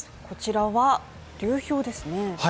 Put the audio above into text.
こちらは、流氷ですね。